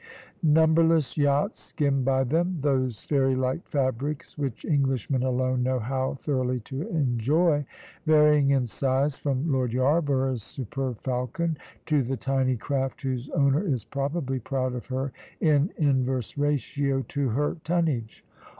Numberless yachts skimmed by them; those fairy like fabrics which Englishmen alone know how thoroughly to enjoy, varying in size from Lord Yarborough's superb Falcon, to the tiny craft whose owner is probably proud of her in inverse ratio to her tonnage.